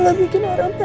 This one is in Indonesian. nanti kita berjalan